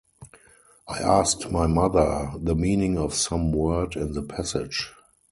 I asked my mother the meaning of some word in the passage.